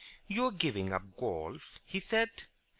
"You are giving up golf?" he said.